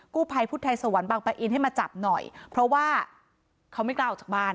กู้ภัยพุทธไทยสวรรค์บางปะอินให้มาจับหน่อยเพราะว่าเขาไม่กล้าออกจากบ้าน